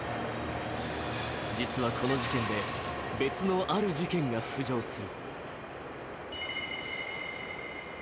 実はこの事件で別のある事件が浮上する。